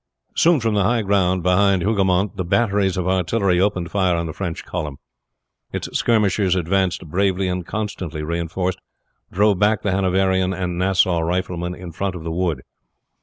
Soon from the high ground behind Hougoumont the batteries of artillery opened fire on the French column. Its skirmishers advanced bravely, and constantly reinforced, drove back the Hanoverian and Nassau riflemen in front of the wood.